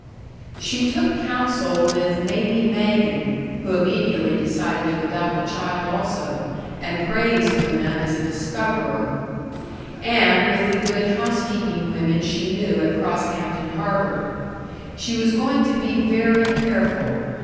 She took counsel with Mamie Magen (who immediately decided to adopt a child also, and praised Una as a discoverer) and with the good housekeeping women she knew at Crosshampton Harbor. She was going to be very careful.